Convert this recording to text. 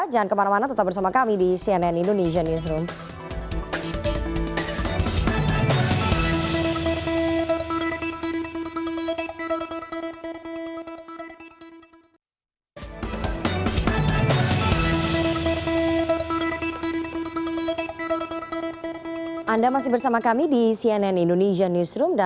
jangan kemana mana tetap bersama kami di cnn indonesia newsroom